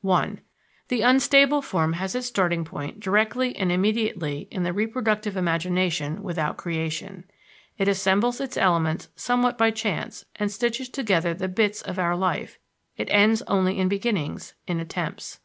(1) The unstable form has its starting point directly and immediately in the reproductive imagination without creation. It assembles its elements somewhat by chance and stitches together the bits of our life; it ends only in beginnings, in attempts.